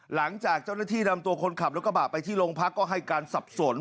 หลังจากเจ้าหน้าที่นำตัวคนขับรถกระบะไปที่โรงพักก็ให้การสับสน